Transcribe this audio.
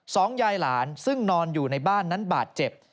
สองยายหลานซึ่งนอนอยู่ในบ้านนั้นบาดเจ็บ